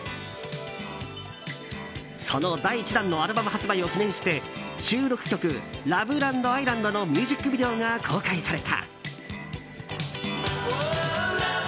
その第１弾のアルバム発売を記念して収録曲「ＬＯＶＥＬＡＮＤ，ＩＳＬＡＮＤ」のミュージックビデオが公開された。